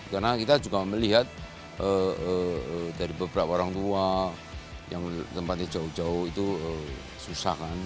karena kita juga melihat dari beberapa orang tua yang tempatnya jauh jauh itu susah kan